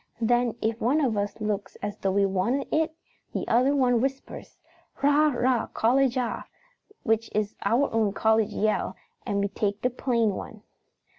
Then if one of us looks as though we wanted it the other one whispers, 'Rah rah rah, college ah,' which is our own college yell, and we take the plain one.